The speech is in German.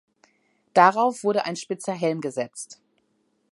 Darauf wurde ein spitzer Helm gesetzt.